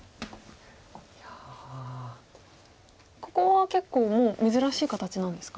ここは結構もう珍しい形なんですか？